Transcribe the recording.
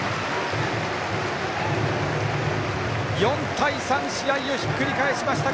４対３試合をひっくり返しました